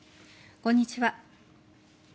こんにちは。